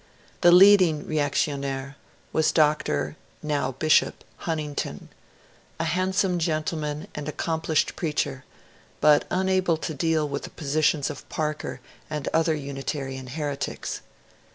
The leading r6(ictionnaire was Dr. (now Bishop) Huntington, a handsome gentleman and accomplished preacher, but unable to deal with the posi tions of Parker and other Unitarian heretics.